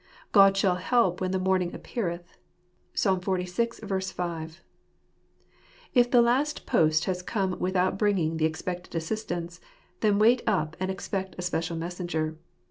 "God shall help when the morning appeareth " (Psa. xlvi. 5, marg.). If the last post has come in without bringing the expected assistance, then wait up and expect a special messenger.